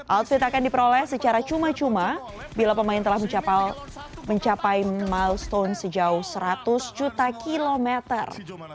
outfit akan diperoleh secara cuma cuma bila pemain telah mencapai milestone sejauh seratus juta kilometer